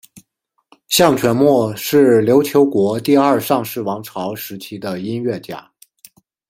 向全谟是琉球国第二尚氏王朝时期的音乐家。